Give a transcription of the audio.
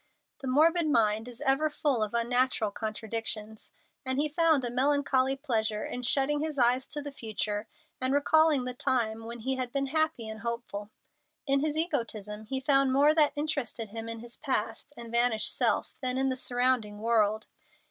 The morbid mind is ever full of unnatural contradictions, and he found a melancholy pleasure in shutting his eyes to the future and recalling the time when he had been happy and hopeful. In his egotism he found more that interested him in his past and vanished self than in the surrounding world.